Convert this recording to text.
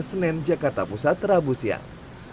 senen jakarta pusat rabu siang